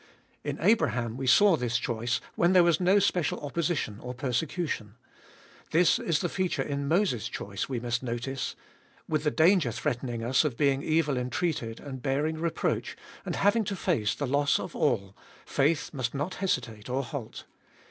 In Abraham we saw this choice when there was no special opposition or persecution. This is the feature in Moses' choice we must notice: with the danger threatening us of being evil entreated, and bearing reproach, and having to face the loss of all, faith must not hesitate or halt.